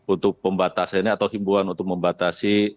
untuk pembatasannya atau himbuan untuk membatasi